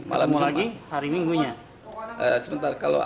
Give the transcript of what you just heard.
iya hampir seminggu